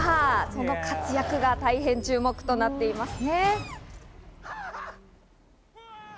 その活躍が大変、注目となっています。